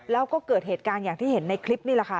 แล้วก็เกิดเหตุการณ์อย่างที่เห็นในคลิปนี่แหละค่ะ